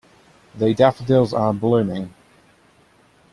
The daffodils are blooming.